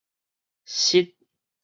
翼